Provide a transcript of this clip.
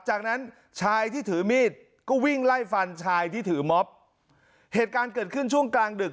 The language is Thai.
จากนั้นชายที่ถือมีดก็วิ่งไล่ฟันชายที่ถือม็อบเหตุการณ์เกิดขึ้นช่วงกลางดึก